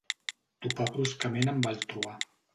Topà bruscament amb el truà.